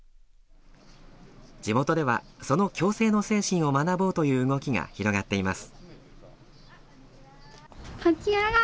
地元ではその共生の精神を学ぼうという動きが広がっています。